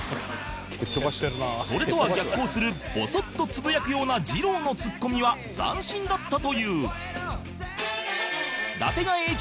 それとは逆行するボソッとつぶやくような二郎のツッコミは斬新だったという